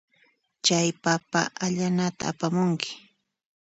Chay papa allanata apamunki.